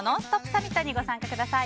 サミットに参加してください。